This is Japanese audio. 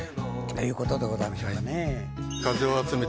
ということでございましょうかね。